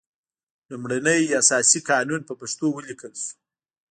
لومړنی اساسي قانون په پښتو ولیکل شول.